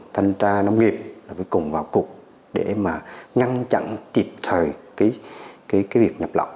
thanh tra nông nghiệp là phải cùng vào cục để mà ngăn chặn kịp thời cái việc nhập lọc